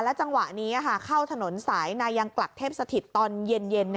จังหวะนี้เข้าถนนสายนายังกลักเทพสถิตตอนเย็น